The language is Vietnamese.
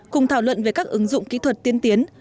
cùng thảo luận về các ứng dụng kỹ thuật tiên tiến